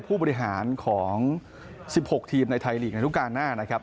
ผู้บริหารของ๑๖ทีมในไทยลีกในรูปการณหน้านะครับ